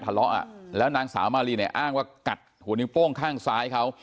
ทะเลาะอ่ะแล้วนางสาวมารีเนี่ยอ้างว่ากัดหัวนิ้วโป้งข้างซ้ายเขา